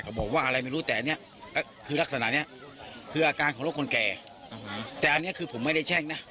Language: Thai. ทำไมที่ไล่ไม่ได้